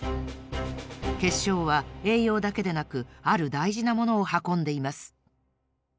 けっしょうは栄養だけでなくあるだいじなものを運んでいます。